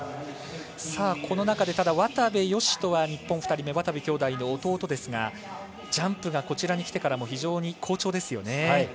この中で渡部善斗日本２人目、渡部兄弟の弟ですがジャンプがこちらにきてからも非常に好調ですよね。